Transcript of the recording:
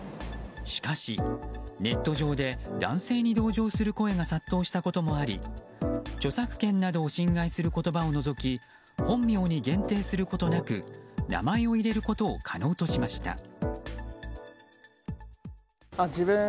しかし、ネット上で男性に同情する声が殺到したこともあり著作権などを侵害する言葉を除き本名に限定することなく名前を入れることを可能としました。